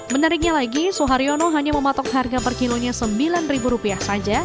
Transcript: menariknya lagi soeharyono hanya mematok harga per kilonya sembilan rupiah saja